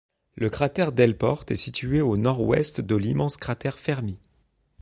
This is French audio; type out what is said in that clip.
Le cratère Delporte est situé au nord-ouest de l'immense cratère Fermi.